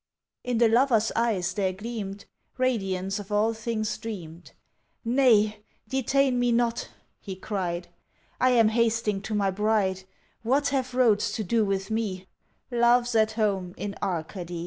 In the Lover's eyes there gleamed Radiance of all things dreamed "Nay, detain me not," he cried "I am hasting to my bride; What have roads to do with me, Love's at home in Arcady!"